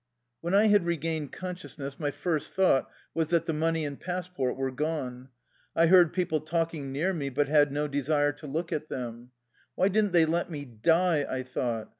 ... When I had regained consciousness my first thought was that the money and passport were gone. I heard people talking near me, but had no desire to look at them. "Why didn't they let me die?" I thought.